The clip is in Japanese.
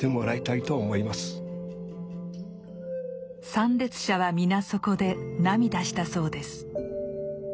参列者は皆そこで涙したそうです。